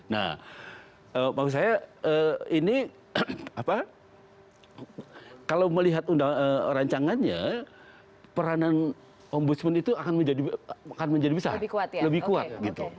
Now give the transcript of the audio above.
nah kalau melihat rancangannya peranan ombudsman itu akan menjadi lebih kuat